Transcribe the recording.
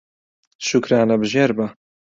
شوکرانەبژێر بە